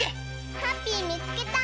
ハッピーみつけた！